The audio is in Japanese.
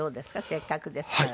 せっかくですから。